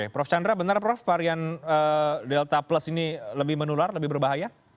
prof chandra benar prof varian delta plus ini lebih menular lebih berbahaya